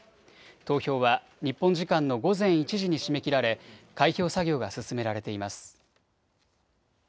投票は日本時間の午前１時に締め切られ開票作業が進められています。